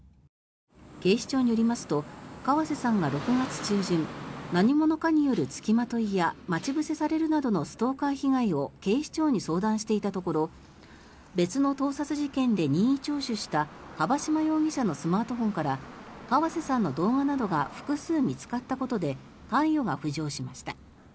警視庁によりますと河瀬さんが６月中旬何者かによる付きまといや待ち伏せされるなどのストーカー被害を警視庁に相談していたところ別の盗撮事件で任意聴取した樺島容疑者のスマートフォンから河瀬さんの動画などが複数見つかったことで関与が浮上しました。